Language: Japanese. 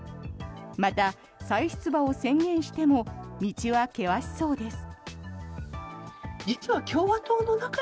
また、再出馬を宣言しても道は険しそうです。